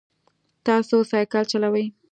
تاسو سایکل چلوئ؟